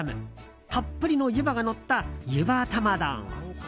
たっぷりのゆばがのったゆば玉丼。